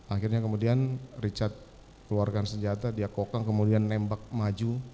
akhirnya kemudian richard keluarkan senjata dia kokang kemudian nembak maju